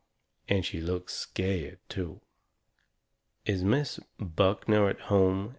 And she looks scared, too. "Is Miss Buckner at home?"